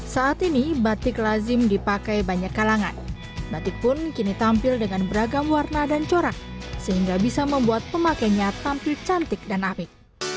saat ini batik lazim dipakai banyak kalangan batik pun kini tampil dengan beragam warna dan corak sehingga bisa membuat pemakainya tampil cantik dan apik